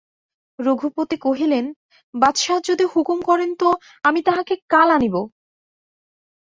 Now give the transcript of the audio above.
রঘুপতি কহিলেন, বাদশাহ যদি হুকুম করেন তো আমি তাহাকে কাল আনিব।